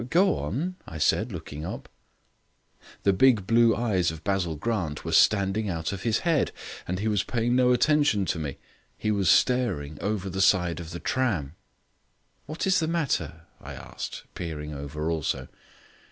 "Go on," I said, looking up. The big blue eyes of Basil Grant were standing out of his head and he was paying no attention to me. He was staring over the side of the tram. "What is the matter?" I asked, peering over also.